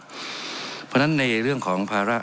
เพราะฉะนั้นในเรื่องของภาระ